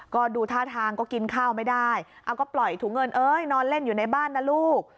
ก็ดูท่าทางก็กินข้าวไม่ได้เอาก็ปล่อยถุงเงินเอ้ยนอนเล่นอยู่ในบ้านนะลูก